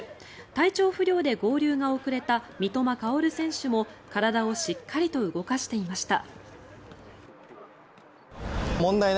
体調不良で合流が遅れた三笘薫選手も体をしっかりと動かしていました。